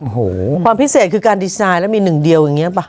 โอ้โหความพิเศษคือการดีไซน์แล้วมีหนึ่งเดียวอย่างนี้ป่ะ